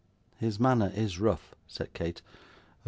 'His manner is rough,' said Kate.